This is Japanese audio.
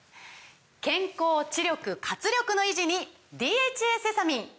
健康・知力・活力の維持に「ＤＨＡセサミン」！